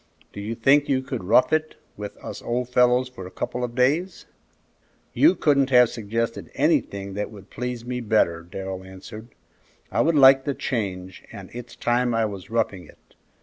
Do you think you could 'rough it' with us old fellows for a couple of days?" "You couldn't have suggested anything that would please me better," Darrell answered. "I would like the change, and it's time I was roughing it.